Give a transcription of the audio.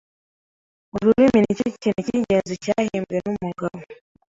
Ururimi nicyo kintu cyingenzi cyahimbwe numugabo.